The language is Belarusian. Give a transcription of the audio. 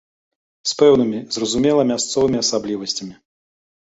З пэўнымі, зразумела, мясцовымі асаблівасцямі.